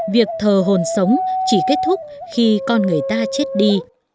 việc thờ hồn sống chỉ kết thúc khi con người ta chết đi